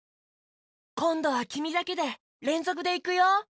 こんどはきみだけでれんぞくでいくよ！